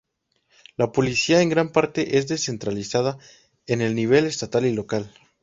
La Policía en gran parte es descentralizada en el nivel estatal y local.